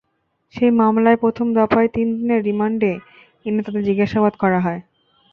সেই মামলায় প্রথম দফায় তিন দিনের রিমান্ডে এনে তাঁদের জিজ্ঞাসাবাদ করা হয়।